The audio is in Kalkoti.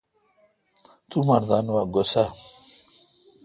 تو مردان وا گوسہ اؘ